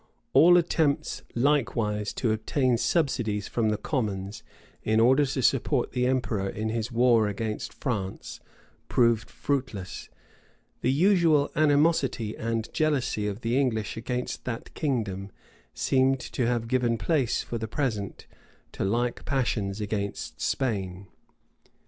[v] All attempts likewise to obtain subsidies from the commons, in order to support the emperor in his war against France, proved fruitless: the usual animosity and jealousy of the English against that kingdom seemed to have given place, for the present, to like passions against Spain.